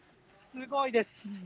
すごいです。